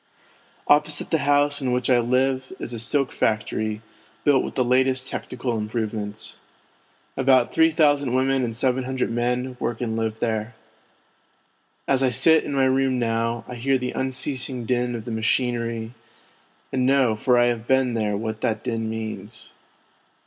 Opposite the house in which I live l is a silk factory, built with the latest technical im provements. About three thousand women and seven hundred men work and live there. As I sit in my room now, I hear the unceasing din of the machinery, and know for I have been there what that din means.